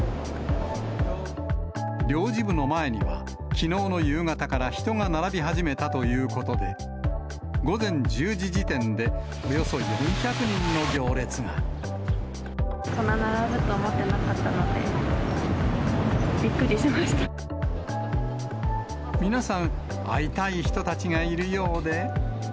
領事部の前には、きのうの夕方から人が並び始めたということで、午前１０時時点で、こんなに並ぶと思ってなかっ皆さん、会いたい人たちがいるようで。